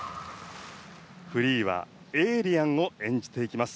フリーはエイリアンを演じていきます。